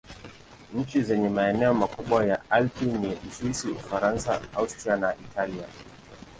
Nchi zenye maeneo makubwa ya Alpi ni Uswisi, Ufaransa, Austria na Italia.